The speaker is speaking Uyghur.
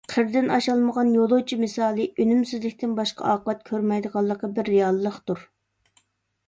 «قىردىن ئاشالمىغان يولۇچى» مىسالى ئۈنۈمسىزلىكتىن باشقا ئاقىۋەت كۆرمەيدىغانلىقى بىر رېئاللىقتۇر.